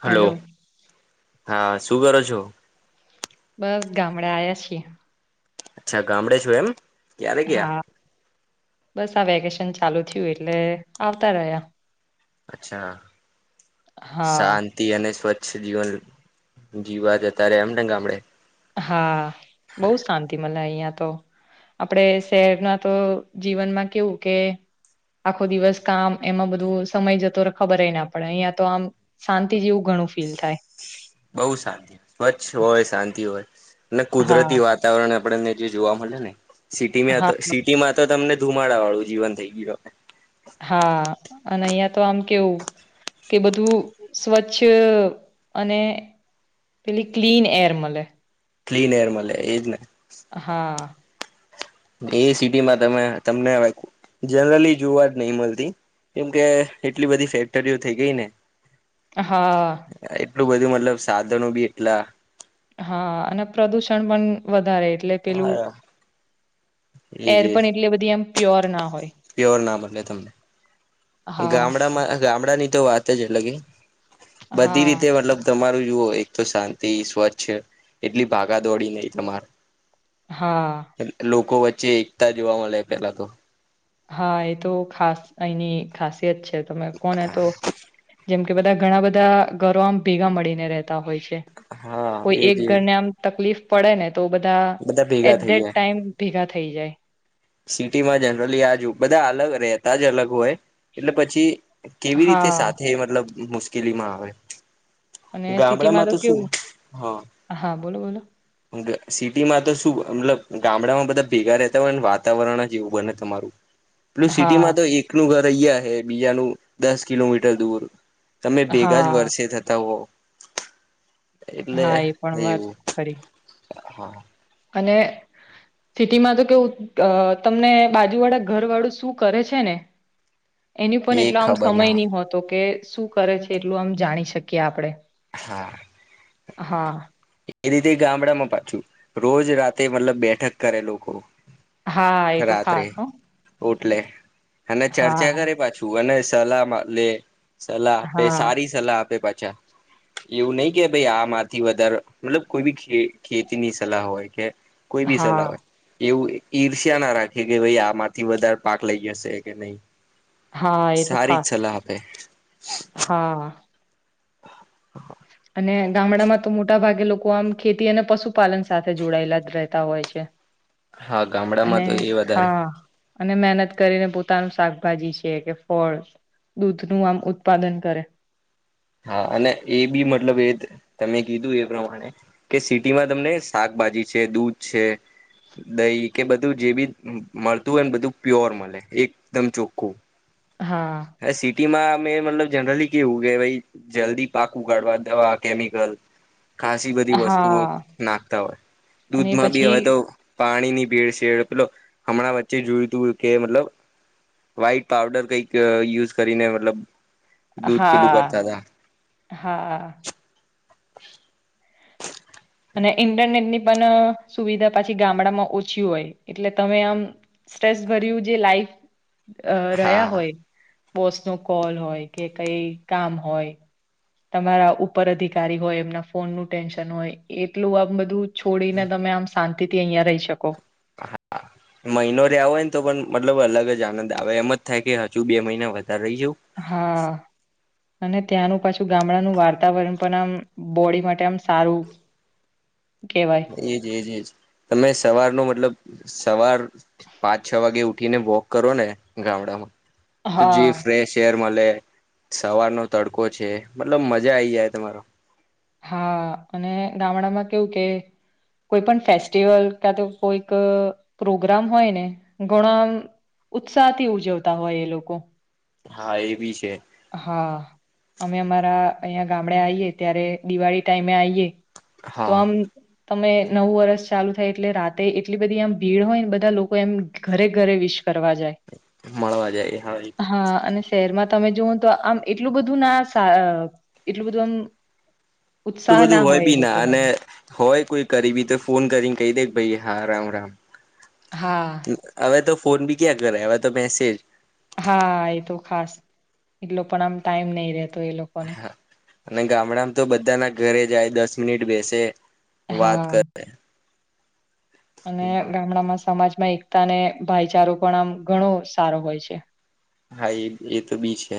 Hello હા શું કરો છો બસ ગામડે આવ્યા છીએ અચ્છા ગામડે છું એમ ક્યારે કયા હા બસ આ વેકેશન ચાલુ થયું એટલે આવતા રહ્યા અચ્છા હા શાંતિ અને સ્વચ્છ જીવન જીવા જતા ર એમ ને ગામડે હા બહુ શાંતિ મલા અહિયાં તો આપડે શહેરના તો જીવનમાં કેવું કે આખો દિવસ કામ એમાં બધું સમય જતો ખબર ના પડે અહિયાં તો આમ શાંતિ જેવું ગ ઘણો ફીલ થાય બઉુ શાંતિ સ્વચ્છ હોય શાંતિ હોય કુદરતી હા વાતાવરણ આપણને જે જોવા મળે ને સિટીમાં હા સિટીમાં તો તમને દુમાડા વાળું જીવન થઈ ગયું હા અને અહિયાંયા તો આમ કેવું કે બધું સ્વચ્છ અને પેલી ક્લીન એર મળે ક્લીન એર મળે એજ જ નહી હા એ સિટી માં તમે તમને હવે જનરલી જોવા જ નહી મળતી કેમ કે એટલી બધી ફેક્ટરીઓ થઇ ગઈ ને હા એટલું બધું મતલબ સાધનો બી એટલા હા અને પ્રદુષણ પણ વધારે વધારે એટલે પેલું હા એજ એર એજ પણ એટલે બધી આમ પ્યોર ના હોય પ્યોર નામ એટલે તમને હા, ગામડામાં ગામડા ની તો વાત જ અલગ કે બધી હા, રીતે મતલબ તમારું જુઓ એક તો શાંતિ સ્વચ્છ એટલી ભાગા દોડી નહી તમારે હા, લોકો વચ્ચે એકતા જોવા મળે પેલા તો હા એ તો ખાસ એની ખાસિયત છે તમે કોને તો જેમ કે બધા ઘણા બધા ઘરો આમ ભેગા મળીને રહેતા હોય છે હા કોઈ એક એજ એજ ઘરને આમ તકલીફ પડે ને તો બધા એટ દેટ ટાઈમ ભેગા થઈ જાય સિટી માં જનરલી આજુ બધા અલગ રહેતા જ અલગ હોય એટલે પછી કેવી રીતે હા, સાથે મતલબ મુશ્કેલીમાં આવે અને ગામડા સિટીમાં માં તો શું કેવું હા હા, બોલો, બોલો. સિટીમાં તો શું મતલબ ગામડામાં બધા ભેગા રહેતા હોય ને વાતાવરણ જ એવું બને તમારું પેલું હા, સિટીમાં તો એકનું ઘર અહીયા હ બીજાનું દસ કિલોમીટર દૂર તમે ભેગા જ હા, વર્ષે થતા હો એટલે હા એ પણ વાત એવું ખરી હા અને સિટીમાં તો કેવું તમને બાજુ વાળા ઘર વાળું શું કરે છે ને એની પણ એ એટલો આમ ખબર સમય ના નહ હોતો કે શું કરે છે એટલું આમ જાણી શકીએ આપડે હા હા એ રીતે ગામડામાં પાછું રોજ રાતે મતલબ બેઠક કરે લોકો હા એ તો ખાસ હ એટલે અને ચર્ચા કરીે પાછું અને સલાહ લે સલાહ આપે હા, સારી સલાહ આપે પાછી [inaudible] એવું નહી કે ભાઈ આમાંથી વધારે મતલબ કોઈ બી ખેતી ની સલાહ હોય કે કોઈ બી હા, સલાહ હોય એવું ઈર્ષ ત્યાં ના રાખે કે ભાઈ આમાંથી વધારે પાક લઈ જશે કે નહી હા એ તો સારી જ ખાસ. સલાહ આપે હા અને ગામડામાં તો મોટા ભાગે લોકો આમ ખેતી અને પશુપાલન સાથે જોડાયેલા જ રહેતા હોય છે હા ગામડામાં અને તો એ વધારે હા અને મહેનત કરીને પોતાનું શાકભાજી છે કે ફળ દૂધ નું આમ ઉત્પાદન કરે હા અને એ બી મતલબ એ તમે કીધું એ પ્રમાણે કે સિટીમાં તમને શાક શ ભાજી છે દૂધ છે દહી કે બધું જે બી મળતું હોય ને બધું પ્યોર મળે એકદમ ચોખ્ખું હા, હ સિટીમાં અમે મતલબ જનરલી કેવું કે ભાઈ જલ્દી પાકું કાઢવા દવા કેમિકલ ખાસી બધી વસ્તુઓ હા નાખતા હોય અને દૂધમાં બી પછી હવે તો પાણી ની ભીડ છે પેલો હમણાં વચ્ચે જોય તું કે મતલબ વ્હાઈટ પાવડર કઈક યુઝ કરીને મતલબ દૂધ પીલું હા કરતા હતા હા અને ઇન્ટરનેટની પણ સુવિધા પાછી ગામડામાં ઓછી હોય એટલે તમે આમ સ્ટ્રેસ ભર્યું જે લાઈફ અ રહ્યા હા હોય બોસ નો કોલ હોય કે કઈ કામ હોય તમારા ઉપર અધિકારી હોય એમના ફોન નું ટેન્શન હોય એટલું આમ બધું છોડીને તમે આમ શાંતિથી અહંયા રહી શકો હા મહિનો ર્યાવો હોય ને તો પણ મતલબ અલગ જ આનંદ આવે એમ જ થાય કે હજુ બે મહિના વધ ત્યારે રહી જાઉ હા અને ત્યાંનું પાછું ગામડાનું વાર્તાવરણ પણ આમ બોડી માટે આમ સારું. કેવાય એજ એજ એજ તમે સવારનો મતલબ સવાર પાંચ છ વાગે ઉઠીને વોક કરોને ગામડામાં તો જે હા ફ્રેશ એર મલે સવારનો તડકો છે મતલબ મજા આઈ જાય તમારો હા અને ગામડામાં કેવું કે કોઈ પણ ફેસ્ટિવલ કાતો કોઈક પ્રોગ્રામ હોય ને ઘણાન ઉત્સાહથી ઉજવતા હોય એ લોકો. હા એ બી છે. હા અમે અમારા અહિયાં ગામડે આઈએ ત્યારે દિવાળી ટાઈમે આ એ તો હા આમ તમે નવું વરષ ચાલુ થાય એટલે રાતે એટલી બધી આમ ભીડ હોયને બધા લોકો એમ ઘરે-ઘરે વિશ જાય મળવા જાય હા એ તો વાત હા સાચી અને શહેરમાં તમે જોવોન તો આમ એટલું બધું ના એટલું બધું આમ એટલું ઉત્સાહ બધું ના હોય બી એ ના અને લોકોનામાં હોય કોઈ કરી બી તો ફોન કરીને કઈ દે કે ભાઈ હા રામ રામ. હા. હવે તો ફોન બી ક્યાં કરે અવે તો મેસેજ. હા એ તો ખાસ એટલો પણ આમ ટાઈમ નહીં રહેતો એ લોકોને. અને ગામડામાં તો બધાના ઘરે જાય દસ મિનિટ બેસે વાત હા કરે. અને ગામડામાં સમાજમાં એકતા અને ભાઈચારો પણ આમ ઘણો સારો હોય છે. હા એ એ તો બી છે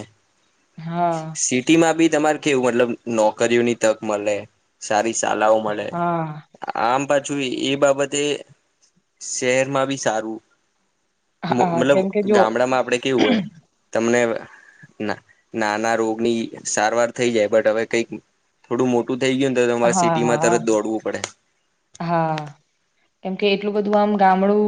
હા, સિટીમાં બી તમારે કેવું મતલબ નોકરીઓની તક મલે સારી સાલાઓ મળે હા, આમ જો એ બાબતે શહેરમાં બી સારું. હા મતલબ કેમ કે જો ગામડામાં આપડે કેવું હોય તમને ના નાના રોગની સારવાર થઈ જાય બટ હવે કઈક થોડું મોટું થઈ ગયું ને તો તમારે હા, સિટીમાં હા, તરત દોડવું પડે. કેમ કે એટલું બધું આમ ગામડું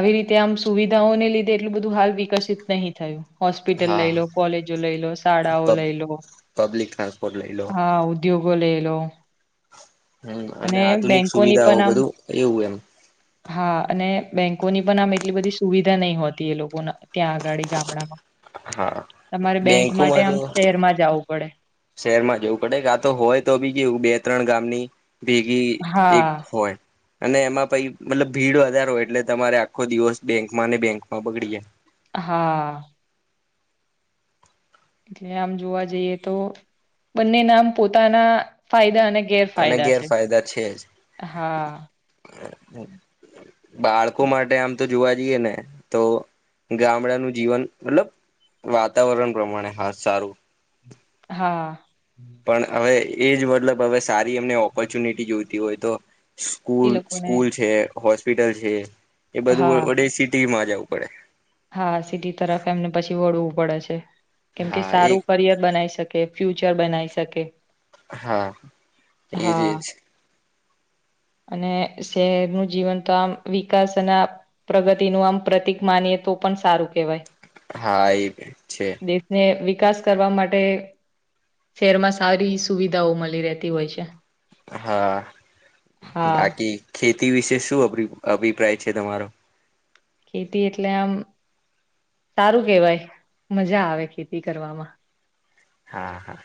આવી રીતે આમ સુવિધાઓને લીધે એટલું બધું હાલ વિકસિત નહીં થયું. હોસ્પિટલ હા લઈ લો, કોલેજો લઈ લો, શાળાઓ પબ લઈ લો. પબ્લિક ટ્રાન્સપોર્ટ લઈ લો. એ લો હમ્મ અને આધુનિક બેંકોની સુવિધાઓ પણ આમ બધું એવું એમ. હા અને બેંકોની પણ આમ એટલી બધી સુવિધા નહીં હોતી એ લોકોના ત્યાં અગાડી ગામડામાં હા તમારે બેંક માટે બેંકોમાં તો આમ શહેરમાં જાવું પડે. શહેરમાં જવું પડે કાતો હોય તો બી કેવું બે ત્રણ ગામની ભેગી એક હા હોય. અને એમાં પહી મતલબ ભીડ વધારે હોય એટલે તમારે આખો દિવસ બેંકમાં ને બેંકમાં બગડી જાય. હા. એટલે આમ જોવા જઈએ તો બંનેના આમ પોતાના ફાયદા અને અને ગેરફાયદા છે ગેરફાયદા છે જ. હા બાળકો માટે આમ તો જોવા જઈએ ને તો ગામડાનું જીવન મતલબ વાતાવરણ પ્રમાણે હા સારું. હા. પણ હવે એ જ મતલબ હવે સારી એમને ઓપોર્ચ્યુનિટી જોઈતી હોય તો એ સ્કૂલ લોકોને સ્કૂલ છે હોસ્પિટલ છે એ બધું હા વડે સિટીમાં જવું પડે. હા, સીટી તરફ એમને પછી વળવું પડે છે કેમ કે હા એક સારું કરિયર બનાઈ શકે. કે ફ્યુચર બનાવી શકે હા હા એજજ અને શહેર નું જીવન તો આમ વિકાસ અને પ્રગતિ નું આમ પ્રતિક માની તો પણ સારું કહેવાય હા એ ભ દેશને વિકાસ કરવા માટે શહેરમાં સારી સુવિધાઓ મળી રહેતી હોય છે હા હા બાકી ખેતી વિશે શુંભ અભિપ્રાય છે તમારો ખેતી એટલે આમ સારું કેવાય મજા આવે ખેતી કરવામાં હા હા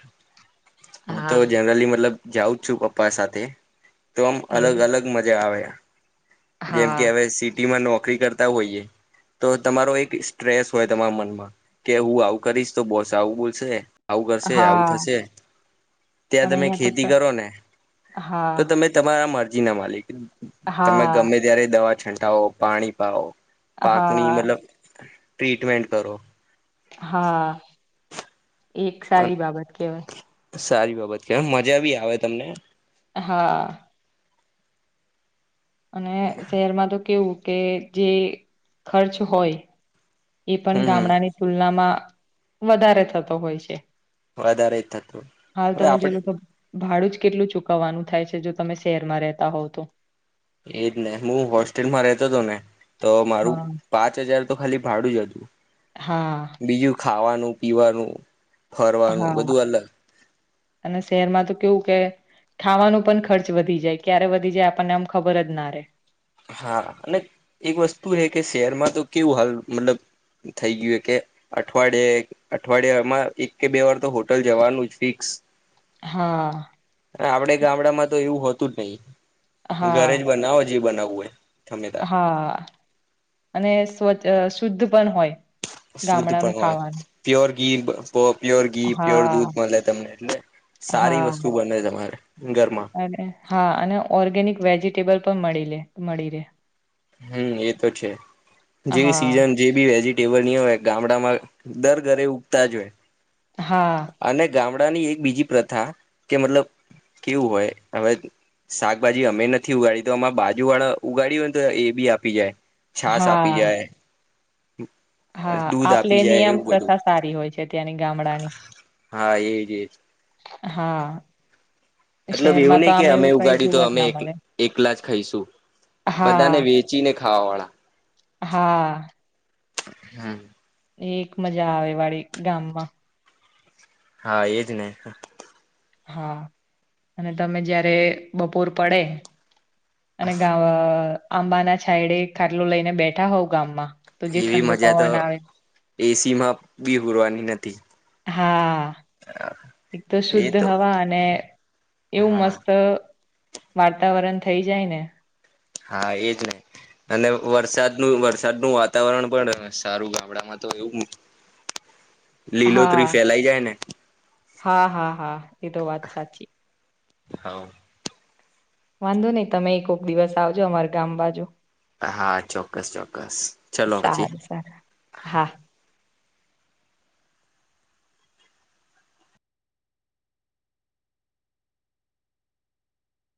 હું તો હા જનરલી મતલબ જાઉં જ છું પપ્પા સાથે તો આમ અલગ એવું. અલગ મજા આવે જેમ હા કે હવે સિટીમાં નોકરી કરતા હોઈએ તો તમારો એક સ્ટ્રેસ હોય તમારા મનમાં કે હું આવું કરીશ તો બોસ આવું બોલશે આવું કરશે આવું હા થશે ત્યાં અને તમે અહિયાં ખેતી તો કરો ને તો હા તમે તમારા મરજી ના માલિક તમે હા ગમે ત્યારે દવા છંટાવો પાણી પાઓ પાકની હા મતલબ ટ્રીટમન્ટન્ટ કરો હા એક સારી બાબત કેવાય સારી બાબત કે મજા બી આવે તમને હા અને શહરમાં તો કેવું કે જે ખર્ચ હોય એ પણ હમ હમ ગામડાની તુલનામાં વધારે થતો હોય છે વધારે જ થતું હાલ હવે તમે જોઈ આપડે લો તો ભાડું જ કેટલું ચુકવવાનું થાય છે જો તમે શહેરમાં રહેતા હોવ તો એજ ને હું હોસ્ટેલમાં રહેતો હતો ને તો મારું હા. પાંચ હજાર તો ખાલી ભાડું જ હતું હા બીજું ખાવાનું પીવાનું ફરવાનું હા બધું અલગ અને શહરમાં તો કેવું કે ખાવાનું પણ ખર્ચ વધી જાય ક્યારે વધી જાય આપણને આમ ખબર જ ના રે હા અને એક વસ્તુ હ કે શહેરમાં તો કેવું હાલ મતલબ થઈ ગયું કે અઠવાડિયાે અઠવાડિયામાં એક કે બે વાર તો હોટલ જવાનું જ ફિક્સ હા આપડે ગામડામાં તો એવું હોતું જ નહી ઘરે હા જ બનાવો જે બનાવવું હોય ગમે તાર હા અને સ્વ શુદ્ધ પણ હોય. શ સુધ ગામડાનું પણ હોય ખાવાનું પ્યોર. ઘી પ્યોર ઘી પ્યોર હા દૂધ મળે તમને એટલે સારી હા વસ્તુ બને તમારે. ઘરમાં અને હા અને ઓર્ગેનિક વેજીિટેબલ પણ મળી મળી રહેે. હમ એ તો છે જે હા સીઝન જે બી વેજી ટેવની હોય ગામડામાં દર ઘરે ઉગતા જ હોય હા અને ગામડા ની એક બીજી પ્રથા કે મતલબ કેવું હોય હવે શાકભાજી અમે નથી ઉગાડી તો અમાં બાજુ વાળા ઉગાડી હોય ને તો એ બી આપી જાય. છાછ આપી હા જાય હા દૂધ આપ્લે આપી જાય નિયમ એવું બધું પ્રથા સારી હોય છે ત્યાંની ગામડાની હા એજ એજ. હા. મતલબ એવું શહેરમાં નહિ તો કે આમ અમે એવું કઈ ઉગાડ્યું તો જોવા જ અમે ના મળે એકલા જ ખાઈશું બધાને હા વેચીને ખાવા વાળા હા હમ એક મજા આવે વાળી ગામમાં હા એજ ન હા અને તમે જયારે બપોર પડે અને ગ આંબા ના છાયડે ખાટલોું લઈને બેઠા હોઉ ગામમાં. તો જે એવી ઠંડો મજા તો પવન આવે એસી માં બી ઉરવાની નથી હા એક તો એ શુદ્ધ તો હવા અને એવું હા મસ્ત વાતાવરણ થઈ જાય ને હા એ જ નહી અને વરસાદનું વરસાદનું વાતાવરણ પણ સારું ગામડામાં તો એવું લીલોત્રી હા ફેલાઈ જાય ને હા હા હા એ તો વાત સાચી હ. વાંધો નઈિ તમે એકક દિવસ આવજો અમાર ગામ બાજુ હા ચોક્કસ ચોક્કસ ચલો હછી સારું સારું હા